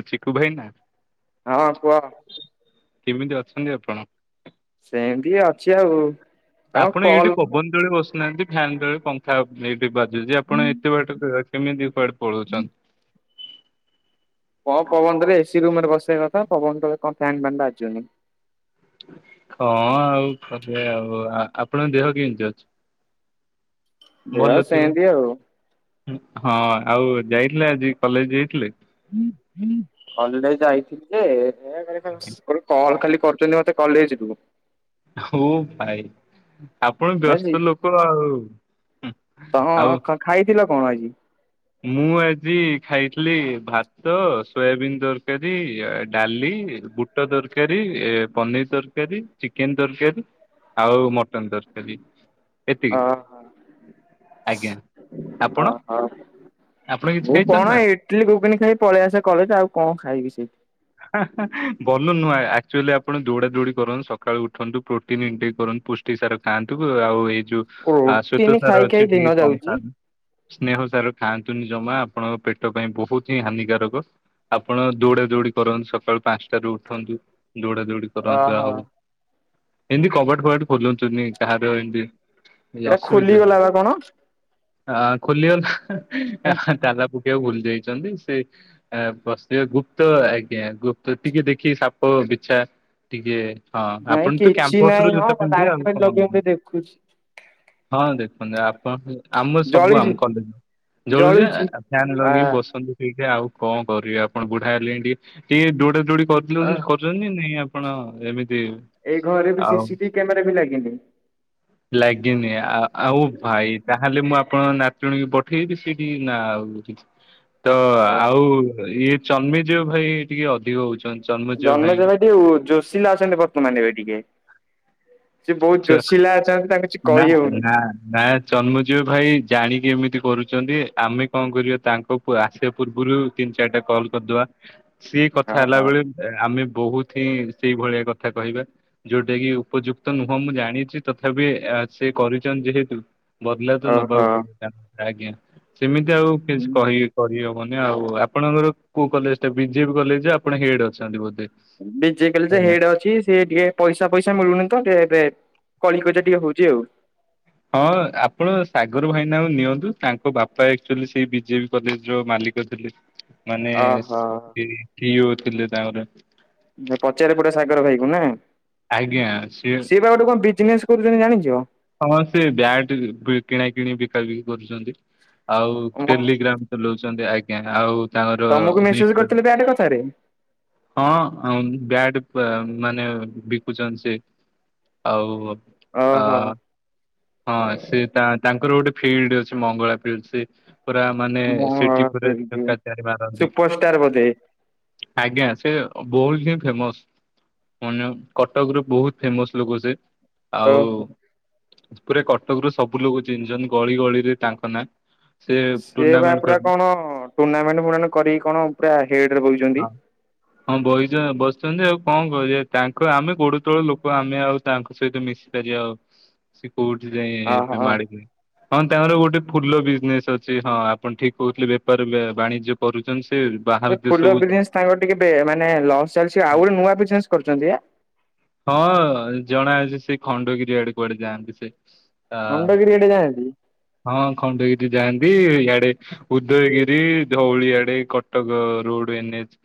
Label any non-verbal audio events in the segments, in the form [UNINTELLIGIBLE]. ଓ ଚିକୁ ଭାଇନା ହଁ କୁହ। କେମିତି ଅଛନ୍ତି ଆପଣ? ସେମିତି ଅଛି ଆଉ। ଆଉ ଙ୍କ କଲ ପଵନ ତଳେ ବସୁନାହାନ୍ତି ଫ୍ୟାନ୍ ତଳେ ପଙ୍ଖା ଏଇଠି ବାଜୁଚି ଆପଣ ଏତେ ବାଟ କେମିତି କୁଆଡ ପଳଉଚନ କମ୍ ପବନ ରେ ଏସି ରୁମ ରେ ବସିବା କଥା ପବନ ତଳେ କଣ ଫ୍ୟାନ୍ ବ୍ୟାନ୍ ବାଜୁନି। ଙ୍କ ଆଉ ଖରିବା ଆଉ ଆ ଆପଣଙ୍କ ଦେହ କେନତି ଅଛି? ଦେହ ଭଲ ଥିବ ସେମିତି ଆଉ ହଁ ଆଉ ଯାଇଥିଲେ ଆଜି କଲେଜ ଯାଇଥିଲେ? କଲେଜ ଆଜି ଯାଇଥିଲି ଯେ ହେ ଖାଲି କଲ ଖାଲି କରୁଚନ୍ତି ମତେ। କଲେଜରୁ। ହୋ ଭାଇ। ଆପଣ ବୁଝି ବ୍ୟସ୍ତ ଲୋକ ଆଉ ହୁଁ ତମ ଆଉ। ଖାଇଥିଲ କଣ ଆଜି? ମୁଁ ଆଜି ଖାଇଥିଲି ଭାତ ସୋୟାବିିନ ତରକାରୀ ଆ ଡାଲି ବୁଟ୍ ବୁଟ ତରକାରୀ ଏ ପନିର୍ ତରକାରୀ ଚିକେନ ତରକାରୀ। ଆଉ ମଟନ ତରକାରୀ। ଏତିକି ଓହୋ ଆଜ୍ଞା ଆପଣ? ହଁ ଆପଣ କିଛି ମୁଁ ଖାଇଛନ୍ତି କଣ ନା? ଏ ଇଟଲିି ଘୁଗୁନି ଖାଇ ପଳେଇ ଆସେ କଲେଜ ଆଉ କଣ ଖାଇବି ସେଇ ହା ହା ଭଲ ନୁହଁ ଆ ଆକ୍ଚୁଆଲି ଆପଣ ଦୌଡା ଦୌଡି କରନ୍ତୁ ସକାଳୁ ଉଠନ୍ତୁ ପ୍ରୋଟିନଇଟ ଟିକେ କରନ୍ତୁ ପୁଷ୍ଟ ପୁଷ୍ଟି ସାର ଖାଆନ୍ତୁ ଆଉ ଏଇ ଯୋଉ ପ୍ରୋଟିନ ଆସଇତ ଖାଇ ତାର ଖାଇ ଅଛି ଦିନ ଟିକେ କମ୍ ଯାଉଛି ଖାଆ ସ୍ନେହସାର ଖାଆନ୍ତୁନି ଜମା ଆପଣଙ୍କ ପେଟ ପାଇଁ ବୋହୁତ ହିଁ ହାନିକାରକ। ଆପଣ ଦୌଡା ଦୌଡି କରନ୍ତୁ ସକାଳୁ ପାଶଁଟାରୁ ଉଠନ୍ତୁ ଦୌଡା ଦୌଡି କରନ୍ତୁ ଓହୋ ଆଉ ଏନତି କବାଟ ଫବାଟ ଖୋଲଦୋଚନି ଧାହାର ଏମିତି। ଏଇଟା ଖୋଲିଗଲା ବା କଣ? ଆଁ ଖୋଲିଗଲା ତାଲା ପକେଆକୁ ଭୁଲି ଯାଇଚନ୍ତି ସେ ଆ ବସିିବେ ଗୁପ୍ତ ଆଜ୍ଞା ଗୁପ୍ତ ଟିକେ ଦେଖି ସାପ ବିଛା ଟିକେ ହଁ ନାଇଁ ଆପଣ ତ କିଛି କ୍ୟାମ୍ପସ ନାଇଁ ରୁ ହଁ ଜୋତା ପିନ୍ଧିବେ ଲାଇଟ ଆଉ ଫାଇଟ କଣ। ଲଗେଇକି ଦେଖୁଛି ହଁ ଦେଖୁଛନ୍ତି ଆପଣ। ଆମର ସବୁ ଜଳିଛି। ଆମ କରଦବୁ ଜଳୁଜା ଜଳୁଛି ଫ୍ୟାନ ଆ ଲଗେଇି ବସନ୍ତୁ। ଏବେ ଆଉ କଣ କରିବେ ଆପଣ ବୁଢା ହେଲେଣି ଟିକେ ଟିକେ ଦୌଡା ଦୌଡି ଅ କରିଦିନ୍ତୁ କର [UNINTELLIGIBLE] ନ୍ତିନି ଆପଣ ଏମିତି। ଏଇ ଘରେ ବି ଆଉ ସିସିଟିଭି କ୍ୟାମେରା ବି ଲାଗିନି। ଲାଗିିନି ଆ ଆଉ ଭାଇ। ତାହେଲେ ମୁଁ ଆପଣ ନାତୁଣୀ କି ପଠେଇବି ସେଇଠି ନା ଆଉ କିଛି। ତ ଅ ଆଉ ଇଏ ଚନ୍ମିଜ ଭାଇ ଟିକେ ଅଧିକ ହୋଉଛନ୍ତି। ଜନ୍ମିଜ ଭାଇ ଯୋଶୀଲା ଅଛନ୍ତି ବର୍ତ୍ତମାନ ଏବେ ଟିକେ ସିଏ ବୋହୁତ ଜୋଷିଲା ଅଛନ୍ତି ତାଙ୍କୁ କିଛି କହିହଉନି। ହାଁ ନାତ୍। ଜନ୍ମଜଉ ଭାଇ ଜାଣିକି ଏମିତି କରୁଚନ୍ତି ଆମେ କଣ କରିବା ତାଙ୍କ ଙ୍କୁ ଆସିବା ପୂର୍ବରୁ ତିନି ଚାରିଟା କଲ କରିଦବା ସିଏ କଥା ହଁ ହେଲା ହଁ ବଳେ ଆମେ ବୋହୁତି ହିଁ ସେଇଭଳିଆ କଥା କହିବା ଯୋଉଟା କି ଉପଯୁକ୍ ତ ନୁହଁ ମୁଁ ଜାଣିଚି ତଥାପି ସେ କରିଛନ୍ତି ଯେହେତୁ ବଦ୍ଲା ତ ଓହୋ ନବାକୁ ପଡିଲା। ଆଜ୍ଞା ସେମିତି ଆଉ କିଛି କହି କରିହବନି ଆଉ ଆପଣଙ୍କର କୋଉ କଲେଜ ଟା ବିଜେପି କଲେଜ ଆପଣ ହେଡ୍ ଅଛନ୍ତି ବୋଧେ। ବିଜେ କାଲି ଆଜ୍ଞା ହେଡେ ଅଛି ସେ ଟିକେ ପଇସା ପଇସା ମିଳୁନି ତ ଟିକେ ଏବେ କଳିିକଜା ଟିକେ ହୋଉଚି। ଯେଉ। ହଁ ଆପଣ ସାଗର ଭାଇନାଙ୍କୁ ନିଅନ୍ତୁ ତାଙ୍କ ବାପା ଆଚୁଆଲି ସେଇ ବିଜେପି କଲେଜ ର ମାଲିକ ଥିଲେ। ମାନେ ସି ଓହୋ ସିଅ ଥିଲେ ତାଙ୍କର। ପଚାରି ପଡିବ ସାଗର ଭାଇ କ ନା ସିଏ ବା ଗୋଟେ କଣ ବିଜିନେସ କୌ ଦିନ ଜାଣିଚ। ହଁ ସେ ବ୍ୟାଟ କିଣା କିଣି ବିକା ବିକି କରୁଚନ୍ତି ଆଉ ଟେଲିଗ୍ରାମ ଚଲଉଚନ୍ତି ଆଜ୍ଞା ଆଉ ତାଙ୍କର ତମକୁ ବି ମେସେଜ କରିଥିଲେ ବ୍ୟାଟ କଥାରେ ହଁ ଆଉ ବ୍ୟାଡ ପ ମାନେ ବିକୁଚନ୍ତି ସେ। ଆଉ ଅ ହ। ହଁ ସେ ତା ତାଙ୍କର ଗୋଟେ ଫିଲ୍ଡ ଅଛି ମଙ୍ଗଳା ଫିଲ୍ଡ ସେ ପୁରା ମାନେ ସେଠି ପୁର ମଙ୍ଗଳା ଛକା ଚାରି ମାରନ୍ତି। ସୁପରଷ୍ଟାର ବୋଧେ ଆଜ୍ଞା ସେ ବହୁତ ହିଁ ଫେମସ୍। ମାନେ କଟକ ରୁ ବହୁତ ଫେମସ୍ ଲୋକ ସେ ଆଉ ଓହୋ ପୁରା କଟକରୁୁ ସବୁ ଲୋକ ଚିହ୍ନିଚନ୍ତି ଗଳି ଗଳିରେ ତାଙ୍କ ନାଁ ସେ ସିଏ ବା ଟୁର୍ଣ୍ଣାମେଣ୍ଟ ପୁରା ଖେଳନ୍ତି କଣ ଟୁର୍ଣ୍ଣାମେଣ୍ଟ ଫୁର୍ଣ୍ଣାମେଣ୍ଟ କରିକି କଣ ପୁରା ହେଡ୍ ରେ ବଇଚନ୍ତି? ହଁ ହଁ ବଇ ବସଚନ୍ତି ଆଉ କଣ କରିବେ ତାଙ୍କ ଆମେ ଗୋଡ ତଳ ଲୋକ ଆମେ ଆଉ ତାଙ୍କ ସହିତ ମିଶିପାରିବା ଆଉ। କଉଠି ଯାଇଁ ଏବେ ଓହୋ। ମାଡ଼ିକି ହଁ ତାଙ୍କର ଗୋଟେ ଫୁଲ ବିଜନେସ ଅଛି ହଁ ଆପଣ ଠିକ କହୁଥିଲେ ବେପାର ବେ ବାଣିଜ୍ୟ କରୁଚନ୍ତି ସେ ବାହାର ଏ ଫୁଲ ଦେଶକୁ ବିଜନେସ୍ ତାଙ୍କର ଟିକେ ବେ ମାନେ ଲସ୍ ଚାଲିଚି ଆଉ ଗୋଟେ ନୂଆ ବିଜନେସ୍ କରୁଚନ୍ତି ବା? ହଁ ଜଣା ଅଛି ସେ ଖଣ୍ଡଗିରି ଆଡେ କୁଆଡେ ଯାଆନ୍ତି ସେ। ଆ ଖଣ୍ଡଗିରି ଆଡେ ଯାଆନ୍ତି। ହଁ ଖଣ୍ଡଗିରି ଯାଆନ୍ତି ଇଆଡେ ଉଦୟଗିରି ଧଉଳିଆଡେ କଟକ ରୋଡ ଏନ୍ ଏଚ୍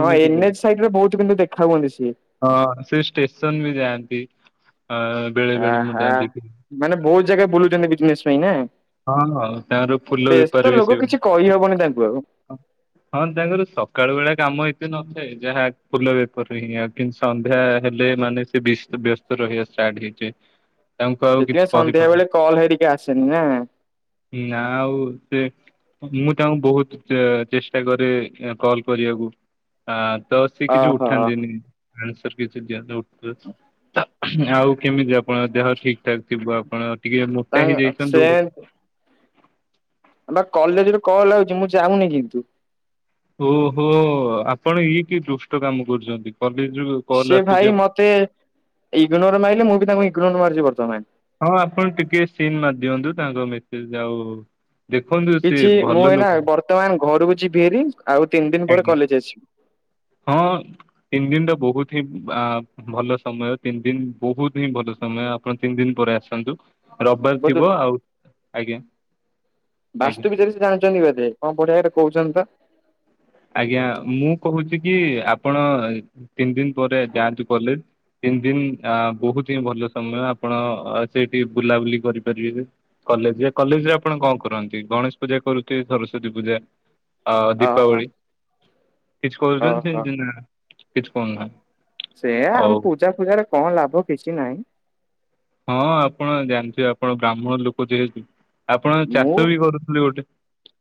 ହଁ ଏନ୍ ବହୁତ। ଏଚ୍ ସାଇଟ୍ ରେ ବହୁତ କିନ୍ତୁ ଦେଖା ହୁଅନ୍ତି ସିଏ। ହଁ ସେ ଷ୍ଟେସନ୍ ବି ଯାଆନ୍ତି ଅଁ ଆ ହା ମାନେ ବହୁତ ଜାଗା ବୁଲୁଚନ୍ତି ବିଜନେଶ୍ ପାଇଁ ନା। ହଁ ହଁ ତାଙ୍କର ଫୁଲ ବ୍ୟସ୍ତ ବେପାର ବି ଲୋକ ସେ କିଛି କହିହବନି ତାଙ୍କୁ ଆଉ। ହଁ ତାଙ୍କର ସକାଳ ବେଳା କାମ ଏତେ ନଥାଏ ଯାହା ଫୁଲ ବେପାର ହିଁ ଆ କିନ୍ତୁ ସନ୍ଧ୍ୟା ହେଲେ ମାନେ ସେ ବ୍ୟସ୍ତ ବ୍ୟସ୍ତ ରହିବା ଷ୍ଟାର୍ଟ ହେଇଯାଏ। ତାଙ୍କୁ ଆଉ କିଛି ସେଥିପାଇଁ ସନ୍ଧ୍ୟା କହିପାରୁନି ବେଳେ କଲ୍ ହେରିକି ଆସେନି ନା। ନା ଆଉ ସିଏ ମୁଁ ତାଙ୍କୁ ବହୁତ ଚେ ଚେଷ୍ଟା କରେ କଲ୍ କରିବାକୁ ଆ ତ ସିଏ କିଛି ଓହୋ। ଉଠାନ୍ତିନି ଆନ୍ସର କିଛି ଦିଅ [UNINTELLIGIBLE] ଆଉ କେମିତି ଆପଣଙ୍କ ଦେହ ଠିକ ଠାକ୍ ଥିବ ଆପଣ ଟିକେ ମୋଟା ତାଙ୍କ ସେ ହେଇଯାଇଚନ୍ତି [UNINTELLIGIBLE] ବା କଲେଜରେ କଲ ଆଉଚି ମୁଁ ଯାଉନି କିନ୍ତୁ। ଓହୋ ଆପଣ ଇଏ କି ଦୁଷ୍ଟ କାମ କରୁଚନ୍ତି କଲେଜ କୁ ସେ ଭାଇ ମତେ ଇଗନୋର୍ ମାରିଲେ ମୁଁ ବି ତାଙ୍କୁ ଇଗ୍ନୋର ମାରିଚି ବର୍ତ୍ତମାନେ। ହଁ ଆପଣ ଟିକେ ସିନ୍ ମାରି ଦିଅନ୍ତୁ ତାଙ୍କ ମେସେଜ ଆଉ ଦେଖନ୍ତୁ କିଛି ସିଏ ମୁଁ ଭଲ ଏଇନା ଲୋକ। ବର୍ତ୍ତମାନ ଘରକୁ ଯିବି ହାରି ଆଉ ତିନି ଦିନ ପରେ ଆଜ୍ଞା କଲେଜ ଆସିବି। ହଁ ତିନି ଦିନରେ ବହୁତି ହିଁ ଆ ଭଲ ସମୟ ତିନି ଦିନ ବହୁତ ହିଁ ଭଲ ସମୟ ଆପଣ ତିନି ଦିନ ପରେ ଆସନ୍ତୁ। ରବବାରେ ବୋଧେ ଥିବ ଆଉ ଆଜ୍ଞା। ଆଜ୍ଞା। ବାସ୍ତୁ ବିିଚାର ସେ ଜାଣିଚନ୍ତି ବଧେ କଣ କୋଉ ଜାଗାରେ କହୁଚନ୍ତି ତ। ଆଜ୍ଞା ମୁଁ କହୁଛି କି ଆପଣ ତିନି ଦିନ ପରେ ଯାନ୍ତୁ କଲେଜ। ତିନି ଦିନ ଆ ବହୁତ ହିଁ ଭଲ ସମୟ ଆପଣ ସେଇଠି ବୁଲାବୁଲି କରିପାରିବେ। କଲେଜ କଲେଜ ରେ ଆପଣ କଣ କରନ୍ତି ଗଣେଶ ପୂଜା କରୁଥିବେ ସରସ୍ଵତୀ ପୂଜା ଆଉ ଓହୋ ଦୀପାବଳି। କିଛି କରୁଚନ୍ତି ଓହୋ। ସେମିତି ନା କିଛି କରୁ ନାହାନ୍ତି? ସେଇୟା ଆମ ପୂଜା ଫୂଜାରେ କଣ ଲାଭ କିଛି ନାହିଁ। ହଁ ଆପଣ ଜାଣିଥିବେ ଆପଣ ବ୍ରାହ୍ମଣ ଲୋକ ଯେହେତୁ ଆପଣ ମୁଁ ଚାଷ ବି କରୁଥିଲେ ଗୋଟେ?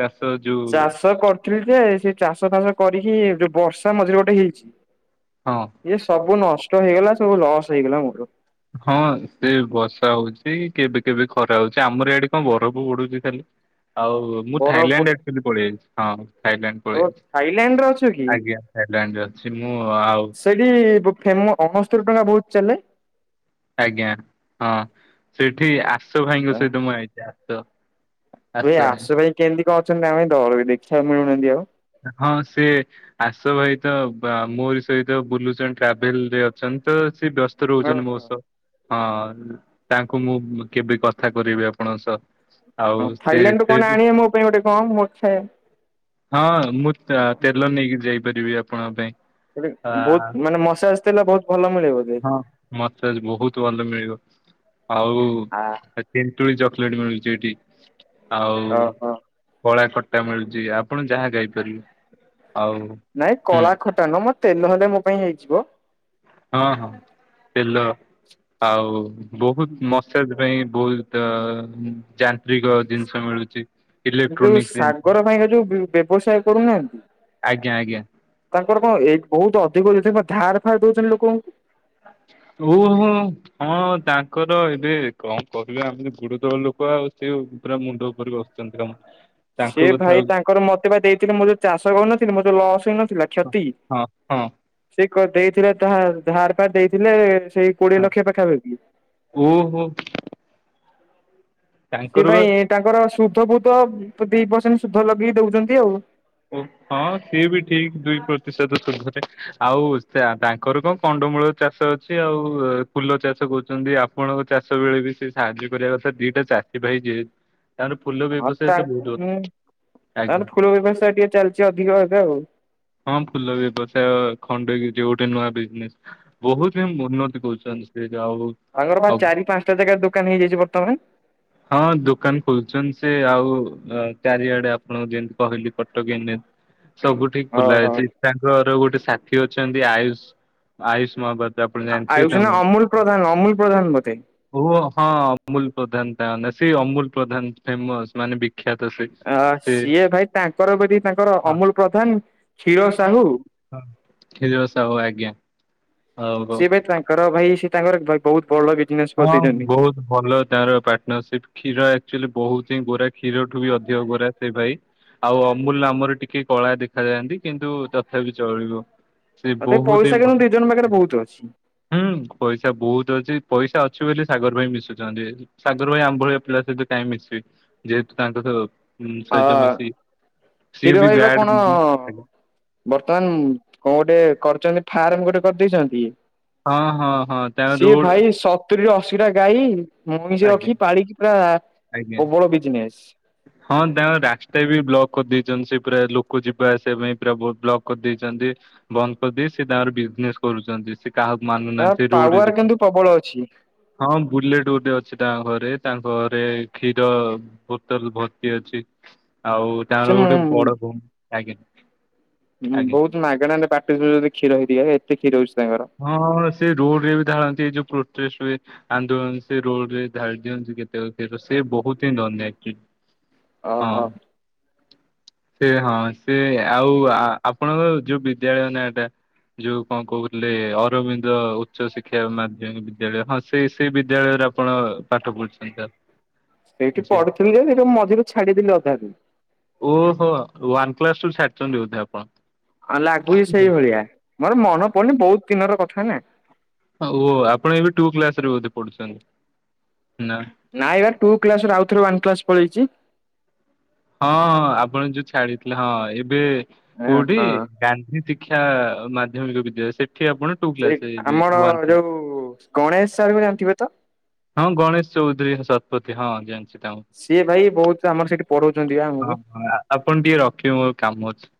ଚାଷ ଯୋଉ। ଚାଷ କରୁଥିଲି ଯେ, ସେ ଚାଷ ଫାଷ କରିକି ଏବେ ବର୍ଷା ମଝିରେ ଗୋଟେ ହେଇଛି। ହଁ। ଇଏ ସବୁ ନଷ୍ଟ ହେଇଗଲା, ସବୁ ଲସ୍ ହେଇଗଲା ମୋର। ହଁ ସେ ବର୍ଷା ହଉଛି କେବେ କେବେ ଖରା ହଉଛି। ଆମର ଆଡେ କଣ ବରଫ ପଡୁଛି ଖାଲି। ଆଉ ମୁଁ ବରହପୁର ଥାଇଲାଣ୍ଡ ଏକଚୁଲି ପଳାଇ ଆଇଛି ହଁ। ଥାଇଲାଣ୍ଡ ଓ ପଳେଇଛି ଥାଇଲାଣ୍ଡ ରେ ଅଛୁ କି? ଆଜ୍ଞା ଥାଇଲାଣ୍ଡରେ ଅଛି ମୁଁ ଆଉ। ହ ଫେମ ଅଣସ୍ତରି ଟଙ୍କା ବହୁତ ଚାଲେ। ଆଜ୍ଞା ହଁ ସେଠି ଆଶୁ ଭାଇଙ୍କ ସହିତ ମୁଁ ହେଇଛି ଆଶୁ। ଏ ଆଶୁ ଭାଇ କେମିତି କଁ ଅଛନ୍ତି? ଆମେ ଥରେ ବି ଦେଖିବାକୁ ମିଳୁନାହାନ୍ତି ଆଉ। ହଁ ସିଏ ଆସ ଭାଇ ତ ମୋର ସହିତ ବୁଲୁଚନ୍ ଟ୍ରାଭେଲରେ। ଅଛନ୍ତି ତ ସେ ବ୍ୟସ୍ତ ରହୁଛନ୍ତି ଓହୋ ମୋସହ। ହଁ ତାଙ୍କୁ ମୁଁ କେବେ କଥା କରେଇବି ଆପଣଙ୍କ ସହ। ଆଉ ହଁ ସେ ଥାଲାଣ୍ଡରୁ ସେ କଣ ଆଣିବେ ମୋ ପାଇଁ ଗୋଟେ କଣ ମୋ ଇଚ୍ଛା ହଁ ମୁଁ ତେଲ ନେଇକି ଯାଇପାରିବି ଆପଣଙ୍କ ପାଇଁ। ସେ ଆ ବହୁତ ମାନେ ମସାଜ ତେଲ ବହୁତ ଭଲ ମିଳେ ବଧେ? ହଁ ମସାଜ ବହୁତ ଭଲ ମିଳିବ। ଆଉ। ଆ ତେନ୍ତୁଳି ଚକଲେଟ ମିଳୁଛି ଏଇଠି ଆଉ ଓହୋ କଳା ଖଟା ମିଳୁଛି, ଆପଣ ଯାହା ଗାଇପାରିବେ ଆଉ ନାଇଁ କଳା ଖଟା ନୁହଁ, ମୋ ତେଲ ହେଲେ ମୋ ପାଇଁ ହେଇଯିବ। ହଁ ହଁ ତେଲ ଆଉ ବହୁତ ମସାଜ ପାଇଁ ବହୁତ ଯାନ୍ତ୍ରିକ ଜିନିଷ ମିଳୁଛି, କିନ୍ତୁ ଇଲେକ୍ଟ୍ରୋନିକ୍ସ ଜିନିଷ। [INAUDIBLE] ବ୍ୟବସାୟ କରୁନାହାନ୍ତି? ଆଜ୍ଞା ଆଜ୍ଞା। ତାଙ୍କର କଣ ଏ ବହୁତ ଅଧିକ ଯ କଣ ଧାର ଫାର ଦଉଛନ୍ତି ଲୋକଙ୍କୁ। ଓହୋ। ହଁ ତାଙ୍କର ଏବେ କଣ କରିବା ଆମେ ତ ଗୁଡ ତଳ ଲୋକ ଆଉ, ସେ ପୁରା ମୁଣ୍ଡ ଉପରେ ବସୁଛନ୍ତି ଆମ ତାଙ୍କ ସେ କଥା ଭାଇ ଆଉ ତାଙ୍କର ମତେ ବା ଦେଇଥିଲେ ମୁଁ ଯୋଉ ଚାଷ କରନଥିଲି ମୋ ଯଉ ଲସ ହେଇନଥିଲା କ୍ଷତି ହଁ ହଁ। ସେ ଦେଇଥିଲେ ତା ଧାର ଫାର୍ ଦେଇଥିଲେ ସେଇ କୋଡିଏ ହଁ ଲକ୍ଷ ପାଖାପାଖି। ଓହୋ। ସେ ତାଙ୍କର ବା ପାଇଁ ତାଙ୍କର ସୁଧ ବହୁତ ଦି ପରସେଣ୍ଟ ସୁଧ ଲଗେଇକି ଦଉଛନ୍ତି ଆଉ। ଓ ହଁ ସିଏ ବି ଠିକ୍ ଦୁଇ ପ୍ରତିଶତ ସୁଧରେ ଆଉ ତା ତାଙ୍କର କଁ କଣ୍ଡମୂଳ ଚାଷ ଅଛି ଆଉ ଫୁଲ ଚାଷ କୁଛନ୍ତି ଆପଣଙ୍କ ଚାଷ ବେଳେ ବି ସେ ସାହାଯ୍ୟ କରିବା କଥା ଦିଟା ଚା ଭାଇ ଯେ। ତାଙ୍କର ଫୁଲ ହଁ ବ୍ୟବସାୟ ତା ତ ବହୁତ ଖୁଁ ଆଜ୍ଞା ତାର୍ ଫୁଳ ବ୍ୟବସାୟ ଟିକେ ଚାଲିଛି ଅଧିକ ଏବେ ଆଉ। ହଁ ଫୁଲ ବ୍ୟବସାୟ ଖଣ୍ଡଗିର୍ ରେ ଗୋଟେ ନୂଆ ବିଜ୍ନେସ୍ ବହୁତି ହି ଉନ୍ନତି କଉଛନ୍ତି। ସେ ଯାହଉ। ତାଙ୍କର ପା ଚାରି ପାଞ୍ଚଟା ଜାଗା ଦୁକାନ୍ ହେଇଯାଇଛି ବର୍ତ୍ତମାନେ। ହଁ ଦୁକାନ୍ ଖୋଲ୍ଛନ୍ ସେ ଆଉ ଅଁ ଚାରିଆଡ଼େ ଆପଣଙ୍କୁ ଯେନ୍ କହିଲି କଟକେ ସବୁଟି ଖୋଲା ଓହୋ। ଅଛି ତାଙ୍କର ଗୋଟେ ସାଥି ଅଛନ୍ତି ଆୟୁଷ୍ ଆୟୁଷ୍ ମହାପାତ୍ ଆ ଆୟୁଷ୍ ନା ଅମୁଲ୍ ପ୍ରଧାନ ଅମୁଲ୍ ପ୍ରଧାନ ବୋଧେ। ଔ ଅ ହଁ ଅମୁଲ୍ ପ୍ରଧାନ୍ ତାଆ ନାଁ ସେ ଅମୁଲ୍ ପ୍ରଧାନ୍ ଫେମସ୍ ମାନେ ବିଖ୍ୟାତ ସେ। ଆ ସେ ସିଏ ଭାଇ ତାଙ୍କର ବେଲି ତାଙ୍କର ହଁ, ଅମୁଲ୍ ପ୍ରଧାନ୍ କ୍ଷୀଅ ସାହୁ। ଖିଲ ସାହୁ ଆଜ୍ଞା। ହଉ ହଉ ସିଏ ବାଇ ତାଙ୍କର ଭାଇ ସି ତାଙ୍କର ବା ବୋହୁତ୍ ବଲ ବିଜ୍ନେସ୍। ହଁ ବୋହୁତ୍ ଭଲ ତାର ପା ନା ସିପ୍ କ୍ଷୀର ଆକ୍ଚୁଲି ବୋହୁଚାଇଁ ଗୋରା କ୍ଷୀରଠୁ ବି ଅଧିକ ଗୋରା ସେ ଭାଇ। ଆଉ ଅମୁଲ୍ ନାମରେ ଟିକେ କଳା ଦେଖାାଯାଆନ୍ତି କିନ୍ତୁ ତଥାପି ଚଳିବ। ସେ ତଥାପି ବୋହୁତ୍ ପଇସା କିନ୍ତୁ ଇମ୍ପୋଟା ଦି ଜଣ ପାଖରେ ବହୁତ ଅଛି। ହୁଁ ପଇସା ବୋହୁତ୍ ଅଛି। ପଇସା ଅଛି ବୋଲି ସାଗର୍ ଭାଇ ମିଶୁଛନ୍ତି ଆଜି ସାଗର୍ ଭାଇ ଆମ୍ ଭଳିଆ ପିଲା ସହିତ କାଇଁ ମିଶିବେ। ଯେହେତୁ ତାଙ୍କସ ଉଁ ଅ ସଇତ ମିଶି ସିଏ କ୍ଷୀର ବି ଭାଇ ବା ବ୍ୟାଡ୍ କଣ ବର୍ତ୍ତମାନ କଁ ଗୋଟେ କରୁଚନ୍ତି ଫାର୍ମ ଗୋଟେ କରିଦେଇଚନ୍ତି। ହଁ ହଁ ହଁ ତାଙ୍କ ରୋଡ୍ ସତୁରି ଅଶୀଟା ଗାଈ ମଇଁଷି ଆଜ୍ଞା ରଖିକି ପାଳିକି ପୁରା ଆଜ୍ଞା ପ୍ରୋବଳ ବିଜ୍ନେସ୍। ହଁ ତାଙ୍କ ରାକ୍ଷ୍ଟା ବି ବ୍ଲକ୍ କରିଦେଇଛନ୍ତି ସେ ପୁରା ଲୁକ୍ କୁ ଯିବା ଆସିବା ପାଇଁ ପୁରା ବୋହୁତ୍ ବ୍ଲକ୍ କରିଦେଇଚନ୍ତି ବନ୍ଦ କରିଦେଇ ସେ ତାଙ୍କର ବିଜ୍ନେସ୍ କରୁଚନ୍ତି ସିଏ। କାହାକୁ ତା ମାନୁନାହାନ୍ତି ସେ ରୋଡ୍ ରେ ପାୱାର ଯିବେ। କିନ୍ତୁ ପ୍ରବଳ ଅଛି। ହଁ ବୁଲେଟ୍ ଗୋଟେ ଅଛି ତାଅଁ ଘରେ ତାଙ୍କ ରେ କ୍ଷୀର ବୋତଲ୍ ଭର୍ତି ଅଛି ଆଉ ସେ ତାଆର ଗୋଟେ ବଡ଼ ବମ୍। ଆଜ୍ଞା। ହୁଁ ଆଜ୍ଞା ବୋହୁତ୍ ମାଗେଣାରେ ବାଣ୍ଟୁ ଥିବେ ଯେଦି କ୍ଷୀର ହି ଦିଏ ଏତେ କ୍ଷୀର ହୋଉଚି ତାଙ୍କର। ହଁ ହଁ ହଁ ସେ ରୋଡ଼ରେ ବି ଧାଳନ୍ତି ଏ ଯୋଉ ପ୍ରୋଟେଷ୍ଟ୍ ହୁଏ। ଆନ୍ଦୋଳନ ସେ ରୋଡ୍ ରେ ଧାଳି ଦିଅନ୍ତି କେତେକ କିନ୍ତୁ ସେ ବୋହୁତ୍ ହିଁ ଅନ୍ୟାୟ। ଓହୋ। ହଁ ସେ ହଁ ସେ ଆଉ ଆ ଆପଣଙ୍କର ଯୋଉ ବିଦ୍ୟାଳୟ ନାଁ ଟା ଯୋଉ କଁ କୋହୁ ଲେ ଅରବିନ୍ଦ ଉଚ୍ଚ ଶିକ୍ଷା ମାଧ୍ୟମିକ୍ ବିଦ୍ୟାଳୟ ହଁ ସେ ସେ ବିଦ୍ୟାଳୟରେ ଆପଣ ପାଠ ପଢ଼ିଛନ୍ତି ତାଲ୍ ସେଇଠି ପଢ଼ିଥିଲି ଯେ କିନ୍ତୁ ମଝିରେ ଛାଡି଼ଦେଲି ଅଧାଦିନ୍। ଓହୋ ୱାନ କ୍ଲସ୍ ଠୁ ଛାଡ଼ିଚନ୍ତି ବୋଧେ ଆପଣ? ହଁ ଲାଗୁଚି ସେଇଭଳିଆ ମୋର ମନ ପଡ଼ୁନି ବୋହୁତ୍ ତିନର କଥା ନା। ହଁ ଓ ଆପଣ ଏବେ ଟୁ କ୍ଲାସ୍ ରେ ବୋଧେ ପଢ଼ୁଛନ୍ତି ନା। ନାଇବା ଟୁ କ୍ଲାସ୍ ରୁ ଆଉଥରେ ୱାନ୍ କ୍ଲାସ୍ ପଳେଇଚି। ହଁ ଆପଣ ଯୋଉ ଛାଡି଼ଥିଲେ ହଁ ଏବେ ଏଁ କୋଉଠି? ହଁ। ଗାନ୍ଧୀ ତିକ୍ଷା ମାଧ୍ୟମିକ ବିଦ୍ୟାଳୟ ସେଠି ଆପଣ ଟୁ କ୍ଲାସ ସେଇଠି ଏବେ ଆମର ୱାନ୍ କ୍ଲାସ। ଯୋଉ ଗଣେଶ୍ ସାର୍ ଙ୍କୁ ଜାଣି ଥିବେ ତ? ହଁ ଗଣେଶ୍ ଚୌଧୁରୀ ଶତପଥୀ ହଁ ଜାଣିଛି ଟାଉନ୍। ସିଏ ଭାଇ ବୋହୁତ୍ ଆମର ସେଟି ପଢୋଉଚନ୍ତି ଆମ୍ ହଁ ହଁ ଆପନ୍ ଟିକେ ରଖିବେ ମୋର କାମ ଅଛି?